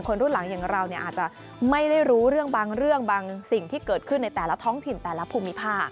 รุ่นหลังอย่างเราอาจจะไม่ได้รู้เรื่องบางเรื่องบางสิ่งที่เกิดขึ้นในแต่ละท้องถิ่นแต่ละภูมิภาค